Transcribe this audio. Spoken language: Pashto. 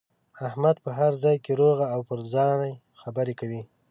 احمد په هر ځای کې روغه او پر ځای خبره کوي.